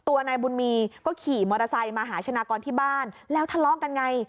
ตัวนายบุญมีก็ขี่มอเตอร์ไซค์มาหาชนะกรที่บ้านแล้วทะเลาะกันไง